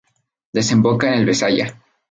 Desemboca en el Besaya.